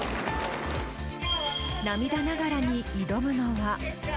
涙ながらに挑むのは。